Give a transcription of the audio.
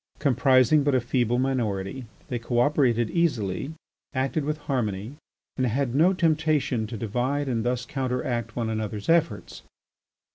Comprising but a feeble minority, they co operated easily, acted with harmony, and had no temptation to divide and thus counteract one another's efforts.